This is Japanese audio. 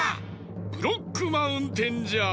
ブロックマウンテンじゃ！